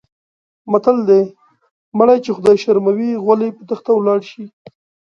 متل دی: مړی چې خدای شرموي غول یې په تخته ولاړ شي.